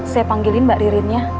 saya panggilin mbak ririn ya